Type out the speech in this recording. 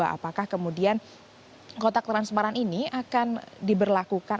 apakah kemudian kotak transparan ini akan diberlakukan